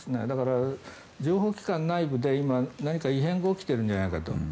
だから、情報機関内部で今、何か異変が起きているんじゃないかと。